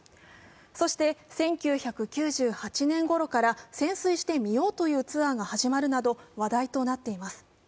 そして１９９８年ごろから潜水して見ようというツアーが始まるなど話題となっています。